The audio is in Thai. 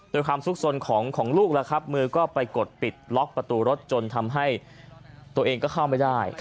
โดยความสุขสนของลูกแล้วครับมือก็ไปกดปิดล็อกประตูรถจนทำให้ตัวเองก็เข้าไม่ได้